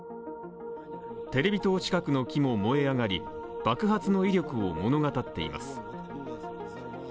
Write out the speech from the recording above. テレビ塔近くの木も燃え上がり、爆発の威力を物語っています。